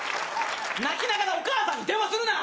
泣きながらお母さんに電話するな！